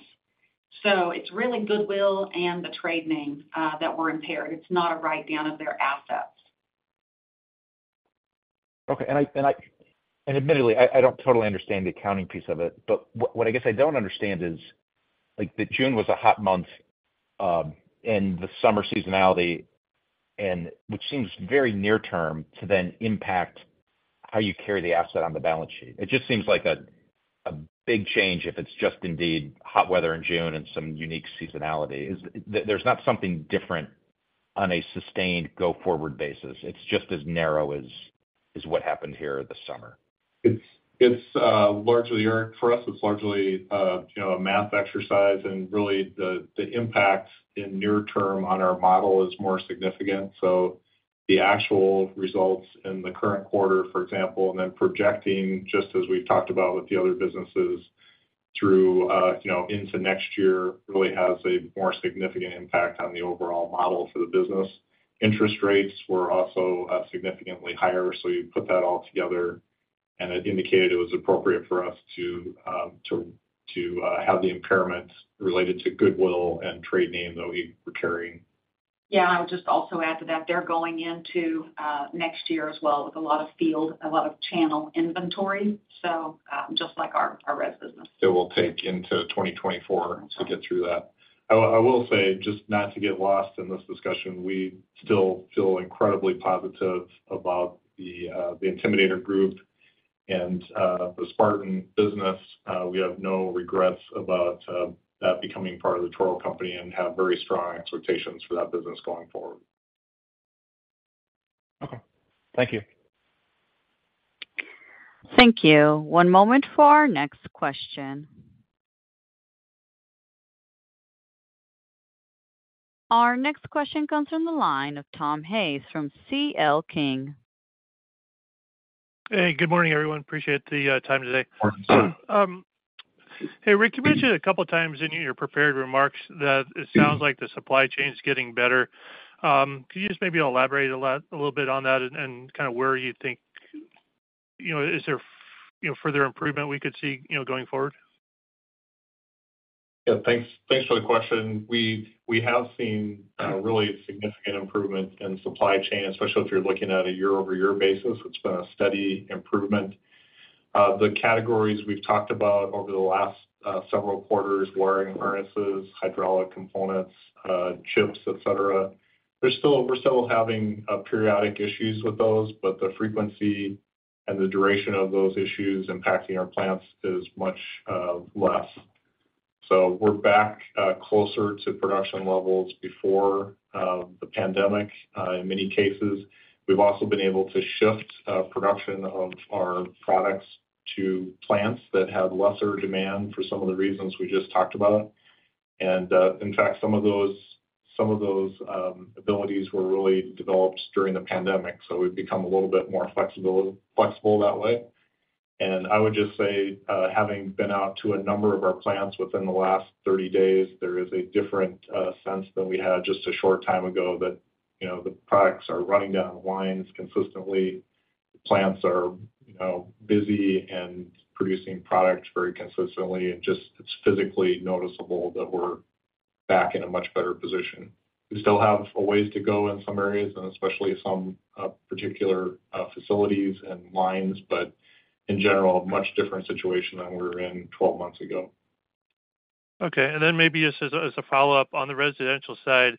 So it's really goodwill and the trade names that were impaired. It's not a write-down of their assets. Okay, and admittedly, I don't totally understand the accounting piece of it, but what I guess I don't understand is, like, that June was a hot month, and the summer seasonality, and which seems very near term to then impact how you carry the asset on the balance sheet. It just seems like a big change if it's just indeed hot weather in June and some unique seasonality. Is there not something different on a sustained go-forward basis? It's just as narrow as what happened here this summer. It's largely Eric, for us, it's largely, you know, a math exercise, and really the impact in near term on our model is more significant. So the actual results in the current quarter, for example, and then projecting, just as we've talked about with the other businesses,... through, you know, into next year really has a more significant impact on the overall model for the business. Interest rates were also significantly higher, so you put that all together, and it indicated it was appropriate for us to have the impairment related to goodwill and trade name that we were carrying. Yeah, I would just also add to that, they're going into next year as well with a lot of field, a lot of channel inventory, so just like our res business. It will take into 2024 to get through that. I will say, just not to get lost in this discussion, we still feel incredibly positive about the Intimidator Group and the Spartan business. We have no regrets about that becoming part of the Toro company and have very strong expectations for that business going forward. Okay. Thank you. Thank you. One moment for our next question. Our next question comes from the line of Tom Hayes from C.L. King. Hey, good morning, everyone. Appreciate the time today. Good morning. Hey, Rick, you mentioned a couple of times in your prepared remarks that it sounds like the supply chain is getting better. Could you just maybe elaborate a lot, a little bit on that and, and kind of where you think, you know, is there, you know, further improvement we could see, you know, going forward? Yeah, thanks. Thanks for the question. We have seen really significant improvement in supply chain, especially if you're looking at a year-over-year basis. It's been a steady improvement. The categories we've talked about over the last several quarters, wiring harnesses, hydraulic components, chips, et cetera. There's still. We're still having periodic issues with those, but the frequency and the duration of those issues impacting our plants is much less. So we're back closer to production levels before the pandemic in many cases. We've also been able to shift production of our products to plants that have lesser demand for some of the reasons we just talked about. And in fact, some of those abilities were really developed during the pandemic, so we've become a little bit more flexible that way. I would just say, having been out to a number of our plants within the last 30 days, there is a different sense than we had just a short time ago, that, you know, the products are running down the lines consistently. The plants are, you know, busy and producing products very consistently, and just, it's physically noticeable that we're back in a much better position. We still have a ways to go in some areas, and especially some particular facilities and lines, but in general, a much different situation than we were in 12 months ago. Okay. And then maybe just as a follow-up on the residential side,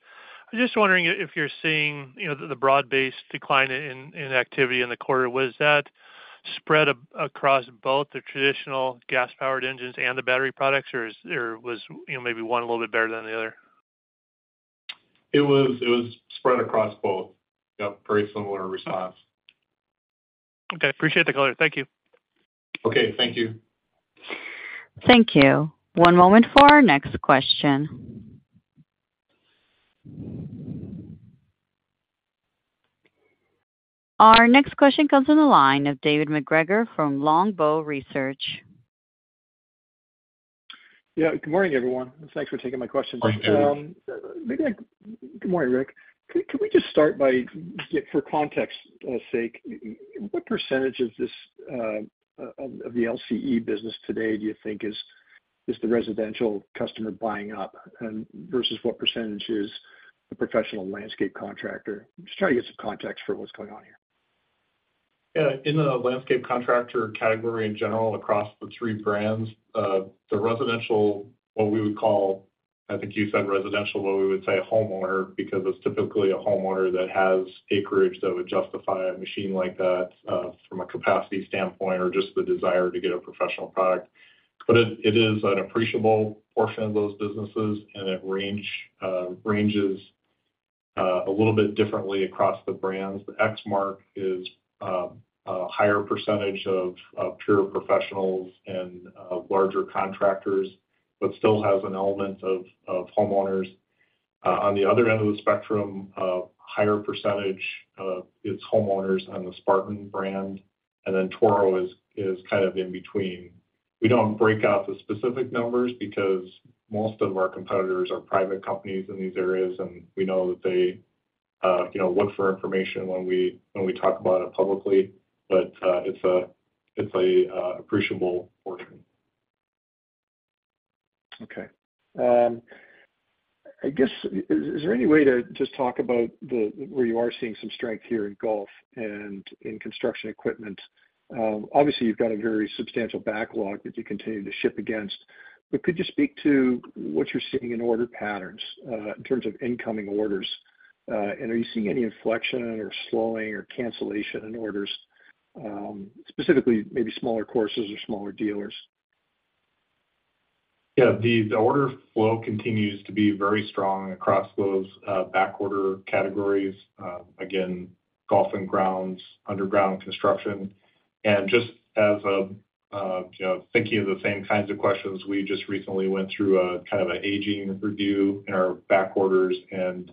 I'm just wondering if you're seeing, you know, the broad-based decline in activity in the quarter. Was that spread across both the traditional gas-powered engines and the battery products, or was, you know, maybe one a little bit better than the other? It was. It was spread across both. Yep, very similar response. Okay. Appreciate the color. Thank you. Okay, thank you. Thank you. One moment for our next question. Our next question comes from the line of David MacGregor from Longbow Research. Yeah. Good morning, everyone, and thanks for taking my question. Good morning. Good morning, Rick. Could we just start by, just for context sake, what percentage of this, of the LCE business today do you think is the residential customer buying up and versus what percentage is the professional landscape contractor? Just trying to get some context for what's going on here. Yeah. In the landscape contractor category, in general, across the three brands, the residential, what we would call, I think you said residential, what we would say a homeowner, because it's typically a homeowner that has acreage that would justify a machine like that, from a capacity standpoint or just the desire to get a professional product. But it is an appreciable portion of those businesses, and it ranges a little bit differently across the brands. The Exmark is a higher percentage of pure professionals and larger contractors, but still has an element of homeowners. On the other end of the spectrum, higher percentage is homeowners on the Spartan brand, and then Toro is kind of in between. We don't break out the specific numbers because most of our competitors are private companies in these areas, and we know that they, you know, look for information when we talk about it publicly. But, it's an appreciable portion. Okay. I guess, is there any way to just talk about the, where you are seeing some strength here in golf and in construction equipment? Obviously, you've got a very substantial backlog that you continue to ship against, but could you speak to what you're seeing in order patterns, in terms of incoming orders? And are you seeing any inflection or slowing or cancellation in orders, specifically maybe smaller courses or smaller dealers? Yeah, the order flow continues to be very strong across those backlog categories. Again, golf and grounds, underground construction. And just as a you know, thinking of the same kinds of questions, we just recently went through a kind of a aging review in our backlogs, and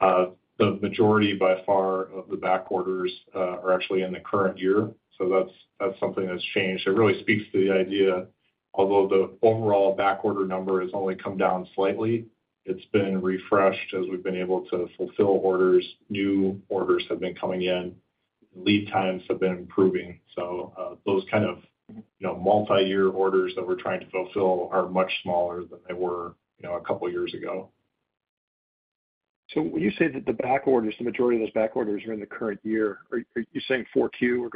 The majority by far of the backlogs are actually in the current year, so that's something that's changed. It really speaks to the idea, although the overall backlog number has only come down slightly, it's been refreshed as we've been able to fulfill orders, new orders have been coming in, lead times have been improving. So, those kind of, you know, multi-year orders that we're trying to fulfill are much smaller than they were, you know, a couple years ago. So when you say that the back orders, the majority of those back orders are in the current year, are you saying 4Q,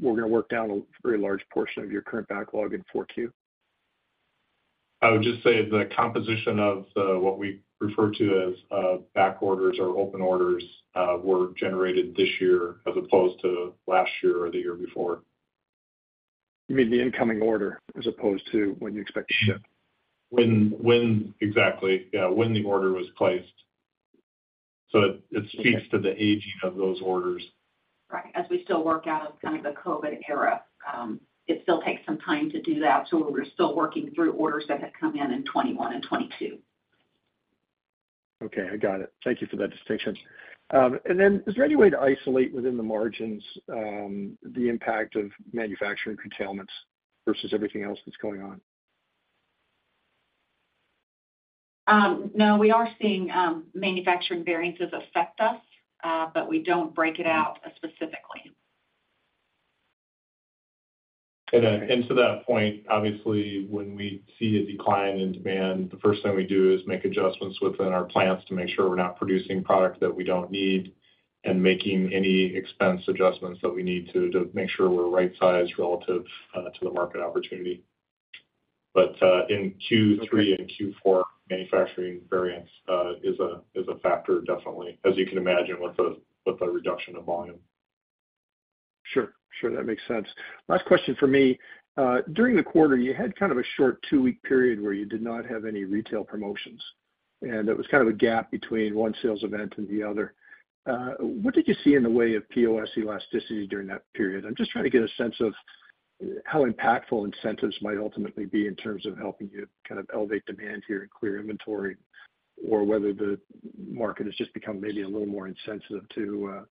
we're gonna, we're gonna work down a very large portion of your current backlog in 4Q? I would just say the composition of the, what we refer to as, back orders or open orders, were generated this year as opposed to last year or the year before. You mean the incoming order as opposed to when you expect to ship? When exactly, yeah, when the order was placed. So it speaks to the aging of those orders. Right. As we still work out of kind of the COVID era, it still takes some time to do that, so we're still working through orders that had come in in 2021 and 2022. Okay, I got it. Thank you for that distinction. And then, is there any way to isolate within the margins the impact of manufacturing curtailments versus everything else that's going on? No, we are seeing manufacturing variances affect us, but we don't break it out specifically. Then, to that point, obviously, when we see a decline in demand, the first thing we do is make adjustments within our plants to make sure we're not producing product that we don't need and making any expense adjustments that we need to, to make sure we're right sized relative to the market opportunity. But in Q3 and Q4, manufacturing variance is a factor, definitely, as you can imagine, with a reduction of volume. Sure, sure. That makes sense. Last question for me. During the quarter, you had kind of a short two-week period where you did not have any retail promotions, and it was kind of a gap between one sales event and the other. What did you see in the way of POS elasticity during that period? I'm just trying to get a sense of how impactful incentives might ultimately be in terms of helping you kind of elevate demand here and clear inventory, or whether the market has just become maybe a little more insensitive to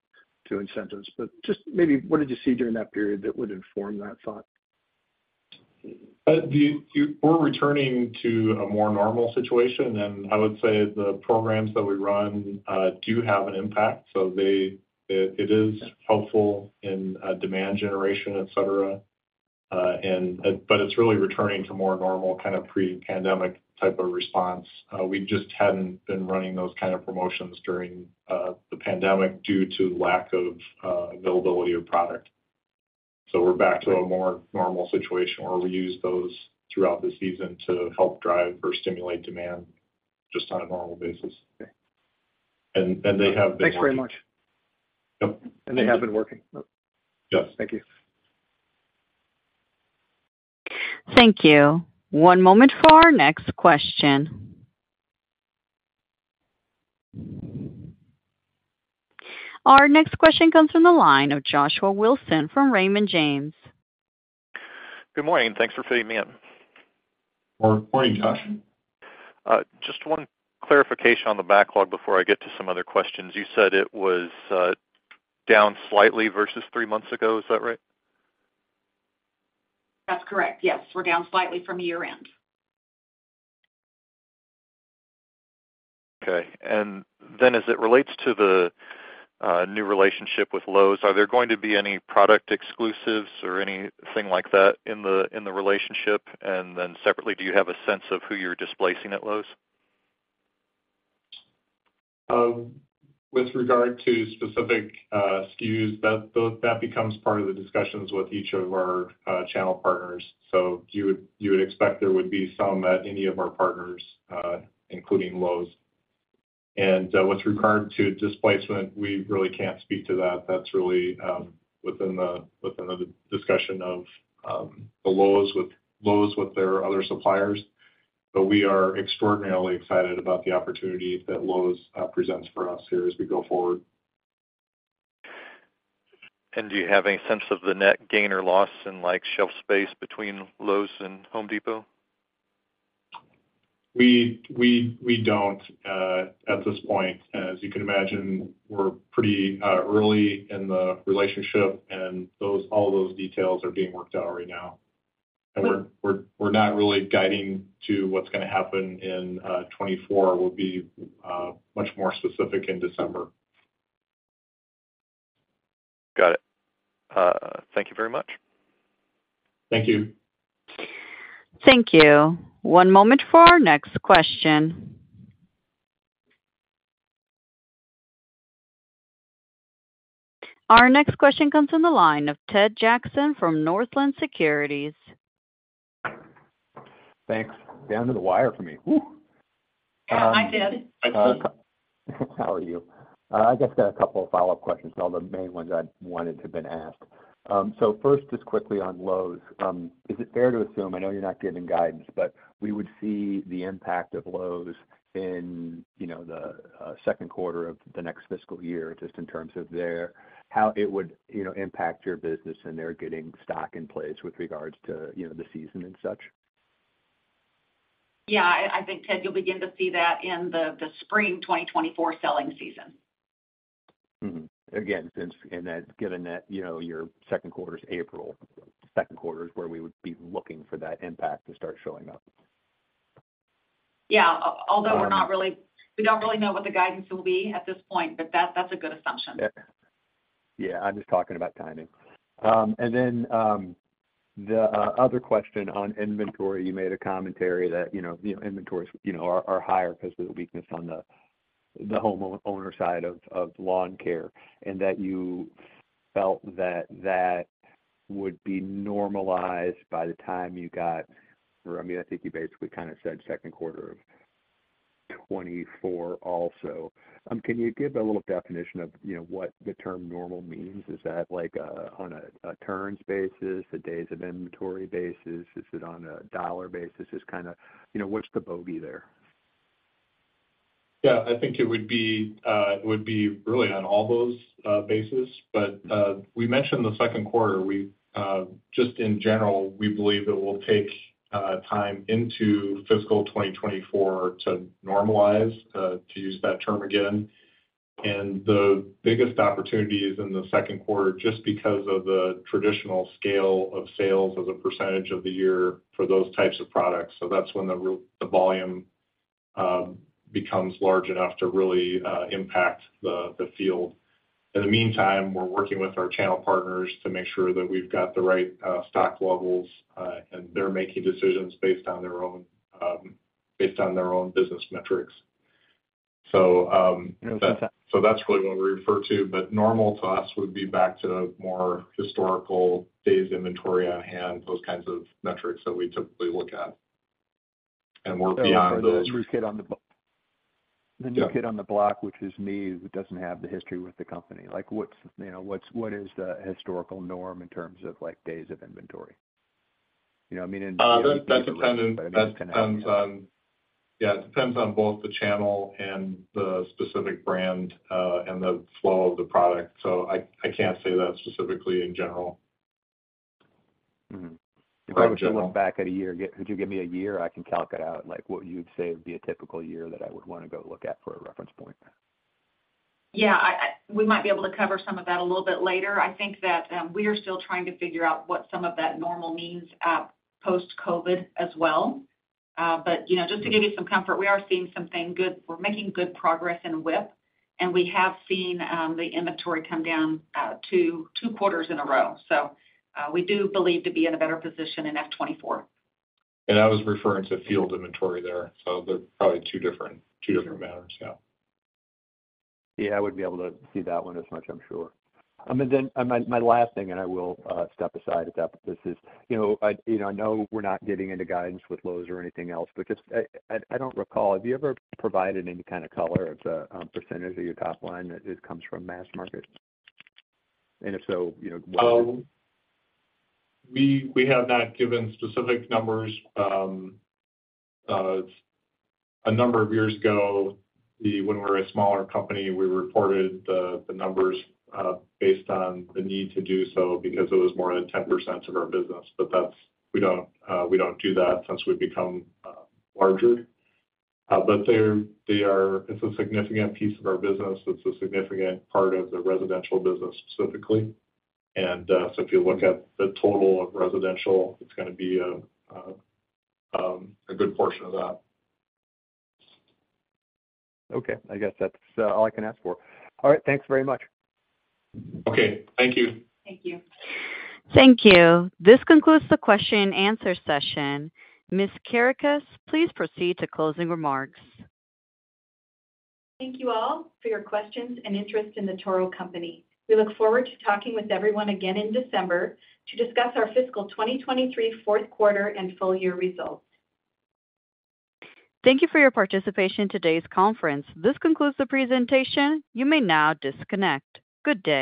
incentives. But just maybe, what did you see during that period that would inform that thought? We're returning to a more normal situation, and I would say the programs that we run do have an impact, so it is helpful in demand generation, et cetera. But it's really returning to more normal kind of pre-pandemic type of response. We just hadn't been running those kind of promotions during the pandemic due to lack of availability of product. So we're back to a more normal situation where we use those throughout the season to help drive or stimulate demand just on a normal basis. Okay. They have been- Thanks very much. Yep. They have been working? Yes. Thank you. Thank you. One moment for our next question. Our next question comes from the line of Joshua Wilson from Raymond James. Good morning, and thanks for fitting me in. Good morning, Joshua. Just one clarification on the backlog before I get to some other questions. You said it was down slightly versus three months ago, is that right? That's correct. Yes, we're down slightly from year-end. Okay. And then, as it relates to the new relationship with Lowe's, are there going to be any product exclusives or anything like that in the, in the relationship? And then separately, do you have a sense of who you're displacing at Lowe's? With regard to specific SKUs, that becomes part of the discussions with each of our channel partners. So you would expect there would be some at any of our partners, including Lowe's. And with regard to displacement, we really can't speak to that. That's really within the discussion of Lowe's with their other suppliers. But we are extraordinarily excited about the opportunity that Lowe's presents for us here as we go forward. Do you have a sense of the net gain or loss in, like, shelf space between Lowe's and Home Depot? We don't at this point. As you can imagine, we're pretty early in the relationship, and all those details are being worked out right now. Sure. We're not really guiding to what's gonna happen in 2024. We'll be much more specific in December. Got it. Thank you very much. Thank you. Thank you. One moment for our next question. Our next question comes from the line of Ted Jackson from Northland Securities. Thanks. Down to the wire for me. Woo! Hi, Ted. How are you? I just got a couple of follow-up questions, all the main ones I'd wanted have been asked. So first, just quickly on Lowe's. Is it fair to assume, I know you're not giving guidance, but we would see the impact of Lowe's in, you know, the second quarter of the next fiscal year, just in terms of their, how it would, you know, impact your business and their getting stock in place with regards to, you know, the season and such? ... Yeah, I think, Ted, you'll begin to see that in the spring 2024 selling season. Mm-hmm. Again, since and that, given that, you know, your second quarter is April, second quarter is where we would be looking for that impact to start showing up. Yeah. Although we're not really, we don't really know what the guidance will be at this point, but that, that's a good assumption. Yeah. Yeah, I'm just talking about timing. And then, the other question on inventory, you made a commentary that, you know, inventories are higher because of the weakness on the homeowner side of lawn care, and that you felt that would be normalized by the time you got... Or, I mean, I think you basically kind of said second quarter of 2024 also. Can you give a little definition of, you know, what the term normal means? Is that, like, on a turns basis, a days of inventory basis? Is it on a dollar basis? Just kind of, you know, what's the bogey there? Yeah, I think it would be, it would be really on all those bases. But we mentioned the second quarter. We just in general, we believe it will take time into fiscal 2024 to normalize, to use that term again. And the biggest opportunity is in the second quarter, just because of the traditional scale of sales as a percentage of the year for those types of products. So that's when the volume becomes large enough to really impact the field. In the meantime, we're working with our channel partners to make sure that we've got the right stock levels, and they're making decisions based on their own, based on their own business metrics. So, so that's really what we refer to. Normal to us would be back to more historical days inventory on hand, those kinds of metrics that we typically look at. We're beyond those. For the new kid on the block. Yeah. The new kid on the block, which is me, who doesn't have the history with the company. Like, what's, you know, what is the historical norm in terms of, like, days of inventory? You know, I mean, and- That depends on... Yeah, it depends on both the channel and the specific brand, and the flow of the product. So I can't say that specifically in general. Mm-hmm. If I were to look back at a year, could you give me a year, I can calc it out? Like, what you'd say would be a typical year that I would want to go look at for a reference point? Yeah, we might be able to cover some of that a little bit later. I think that we are still trying to figure out what some of that normal means post-COVID as well. But you know, just to give you some comfort, we are seeing something good. We're making good progress in WIP, and we have seen the inventory come down two quarters in a row. So we do believe to be in a better position in FY 2024. I was referring to field inventory there, so they're probably two different matters now. Yeah, I would be able to see that one as much, I'm sure. And then my last thing, and I will step aside at that. But this is, you know, I know we're not getting into guidance with Lowe's or anything else, but just I don't recall, have you ever provided any kind of color of the percentage of your top line that it comes from mass market? And if so, you know, what is it? We have not given specific numbers. A number of years ago, when we were a smaller company, we reported the numbers based on the need to do so because it was more than 10% of our business. But that's, we don't do that since we've become larger. But they are a significant piece of our business. It's a significant part of the residential business, specifically. And so if you look at the total of residential, it's gonna be a good portion of that. Okay. I guess that's all I can ask for. All right. Thanks very much. Okay. Thank you. Thank you. Thank you. This concludes the question and answer session. Ms. Kerekes, please proceed to closing remarks. Thank you all for your questions and interest in The Toro Company. We look forward to talking with everyone again in December to discuss our fiscal 2023 fourth quarter and full year results. Thank you for your participation in today's conference. This concludes the presentation. You may now disconnect. Good day.